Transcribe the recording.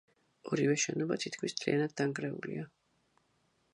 ორივე შენობა თითქმის მთლიანად დანგრეულია.